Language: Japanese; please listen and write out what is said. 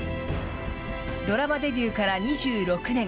ドラマデビューから２６年。